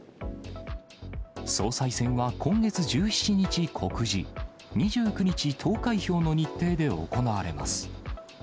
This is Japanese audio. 総裁選は今月１７日告示、２９日投開票の日程で行われます。